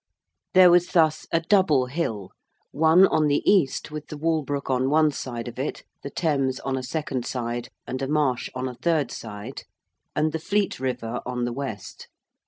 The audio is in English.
There was thus a double hill, one on the east with the Walbrook on one side of it, the Thames on a second side, and a marsh on a third side, and the Fleet River on the west.